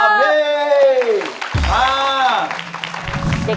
พี่หอยคิดถึงอัปเดตมากเลยนะพี่หอยบอก